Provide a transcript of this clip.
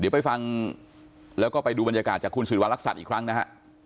เดี๋ยวไปฟังแล้วก็ไปดูบรรยากาศจากคุณสิริวัลรักษัตริย์อีกครั้งนะฮะ